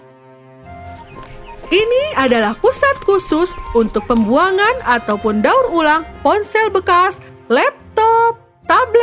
mereka harus dikirim ke pusat sistem untuk mencari kaos dan remas dan beserta